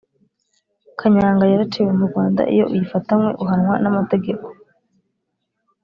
kanyanga yaraciwe mu rwanda iyo uyifatanywe uhanwa namategeko